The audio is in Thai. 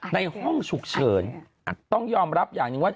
ในห้องฉุกเฉินต้องยอมรับอย่างหนึ่งว่า